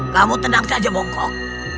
kamu tenang saja bongkok